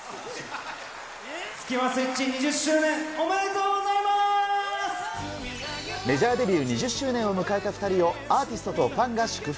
スキマスイッチ２０周年、メジャーデビュー２０周年を迎えた２人を、アーティストとファンが祝福。